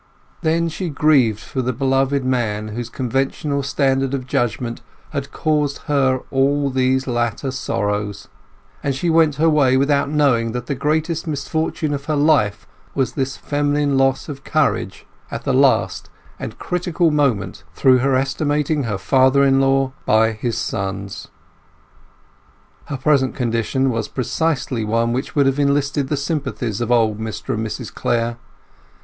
Then she grieved for the beloved man whose conventional standard of judgement had caused her all these latter sorrows; and she went her way without knowing that the greatest misfortune of her life was this feminine loss of courage at the last and critical moment through her estimating her father in law by his sons. Her present condition was precisely one which would have enlisted the sympathies of old Mr and Mrs Clare.